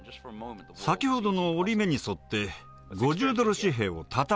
先ほどの折り目に沿って５０ドル紙幣を畳んでいきます。